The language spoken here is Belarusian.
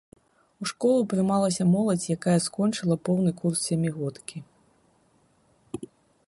У школу прымалася моладзь, якая скончыла поўны курс сямігодкі.